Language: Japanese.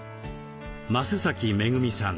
増めぐみさん